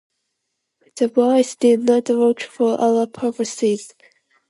The voice did not work for our purposes.